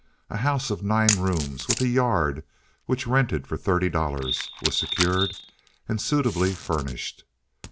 A house of nine rooms, with a yard, which rented for thirty dollars, was secured and suitably furnished.